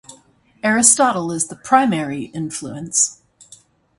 Aristotle is the primary influence.